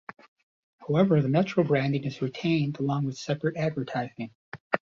However, the Metro branding is retained along with separate advertising.